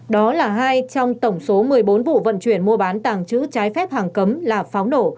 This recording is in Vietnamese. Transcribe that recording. đó là hai trong tổng số một mươi bốn vụ vận chuyển mua bán tàng chữ trái phép hàng cấm là pháo nổ